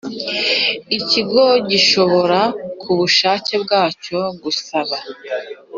Ikigo gishobora ku bushake bwacyo gusaba